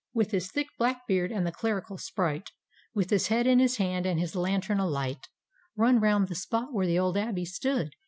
With his thick black beard, — and the clerical Sprite, With his head in his hand, and his lantern alight, Run round the spot where the old Abbey stood.